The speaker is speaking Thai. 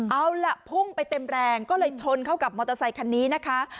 เอาล่ะพุ่งไปเต็มแรงก็เลยชนเข้ากับมอเตอร์ไซคันนี้นะคะ